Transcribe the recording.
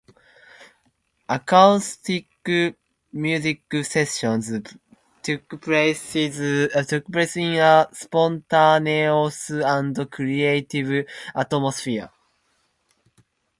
Acoustic music sessions took place in a spontaneous and creative atmosphere.